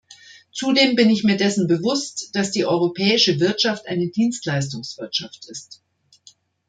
Zudem bin ich mir dessen bewusst, dass die europäische Wirtschaft eine Dienstleistungswirtschaft ist.